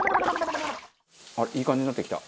いい感じになってきた。